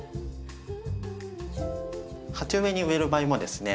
鉢植えに植える場合もですね